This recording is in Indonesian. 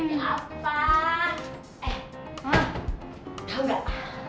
eh mama tau gak